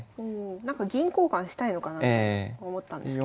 なんか銀交換したいのかなって思ったんですけど。